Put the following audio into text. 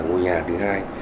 ngôi nhà thứ hai